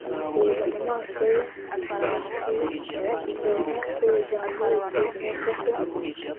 reba mu maso ye. ndatindiganya ku ijambo 'igihe', nkeka ko